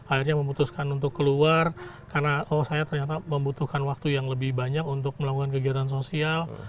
akhirnya memutuskan untuk keluar karena oh saya ternyata membutuhkan waktu yang lebih banyak untuk melakukan kegiatan sosial